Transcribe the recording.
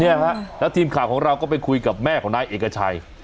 เนี่ยฮะแล้วทีมข่าวของเราก็ไปคุยกับแม่ของนายเอกชัย